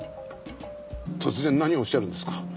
突然何をおっしゃるんですか。